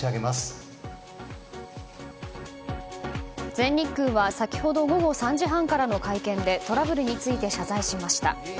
全日空は先ほど午後３時半からの会見でトラブルについて謝罪しました。